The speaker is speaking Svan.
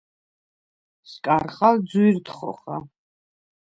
სკარხალ ძუ̂ირდ ხოხა.